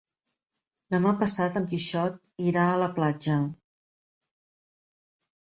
Demà passat en Quixot irà a la platja.